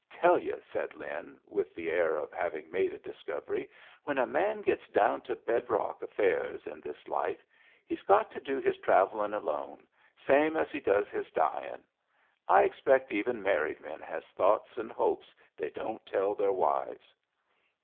Tell yu'," said Lin, with the air of having made a discovery, "when a man gets down to bed rock affairs in this life he's got to do his travellin' alone, same as he does his dyin'. I expect even married men has thoughts and hopes they don't tell their wives."